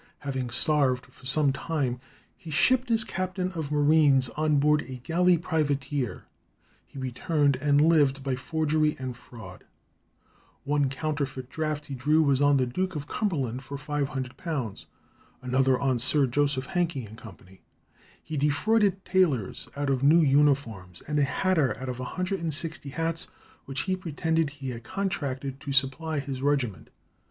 Having starved for some time, he shipped as captain of marines on board a galley privateer. He returned and lived by forgery and fraud. One counterfeit draft he drew was on the Duke of Cumberland for £500; another on Sir Joseph Hankey & Co. He defrauded tailors out of new uniforms, and a hatter of 160 hats, which he pretended he had contracted to supply to his regiment.